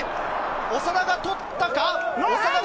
長田が取ったか？